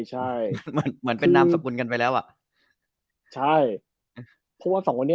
ใช่มันเหมือนเป็นนามสกุลกันไปแล้วอ่ะใช่เพราะว่าสองคนนี้